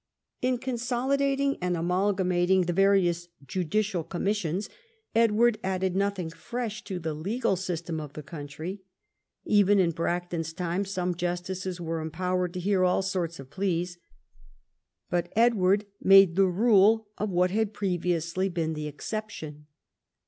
In consolidating and amalgamating the various judicial commissions, Edward added nothing fresh to the legal system of the country. Even in Bracton's time some justices were empowered to hear all sorts of pleas. But Edward made the rule of what had pre viously been the exception.